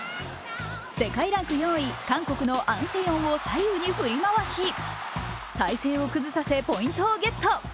世界ランク４位、韓国のアン・セヨンを左右に振り回し体勢を崩させ、ポイントをゲット。